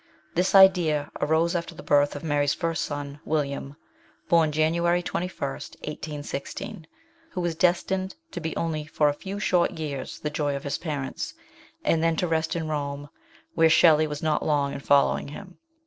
This idea arose after the birth of Mary's first son, William, born January 24, 1816, who was destined to be only for a few short years the joy of his parents, and then to rest in Rome, where Shelley was not long in following him.